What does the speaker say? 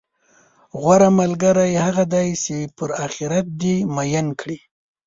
غوره ملګری هغه دی، چې پر اخرت دې میین کړي،